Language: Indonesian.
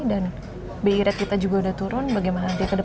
bi rate kita juga udah turun bagaimana nanti ke depan